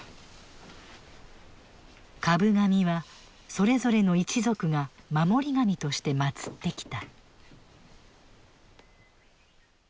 株神はそれぞれの一族が守り神として祀ってきた。